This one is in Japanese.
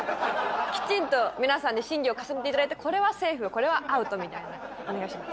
きちんと皆さんで審議を重ねていただいて、これはセーフ、これはアウトみたいなのをお願いします。